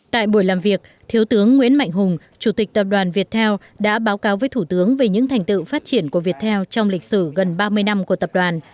tại buổi làm việc thiếu tướng nguyễn mạnh hùng chủ tịch tập đoàn việt theo đã báo cáo với thủ tướng về những thành tựu phát triển của việt theo trong lịch sử gần ba mươi năm của tập đoàn